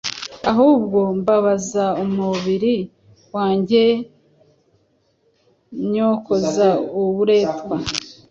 ahubwo mbabaza umubiri wanjye nywukoza uburetwa,